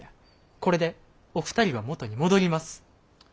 これでお二人は元に戻ります！